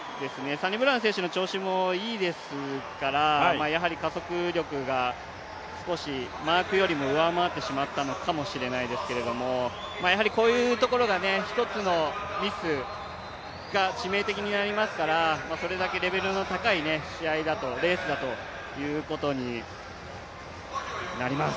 サニブラウン選手の調子もいいですから、やはり加速力が少しマークよりも上回ってしまったのかもしれないですけどやはりこういうところが一つのミスが致命的になりますからそれだけレベルの高いレースだということになります。